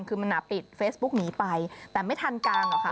คือมันปิดเฟซบุ๊กหนีไปแต่ไม่ทันการหรอกค่ะ